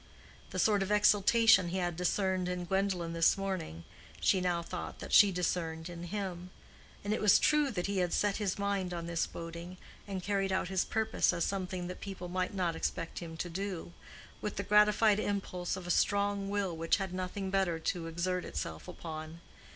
The sort of exultation he had discerned in Gwendolen this morning she now thought that she discerned in him; and it was true that he had set his mind on this boating, and carried out his purpose as something that people might not expect him to do, with the gratified impulse of a strong will which had nothing better to exert itself upon.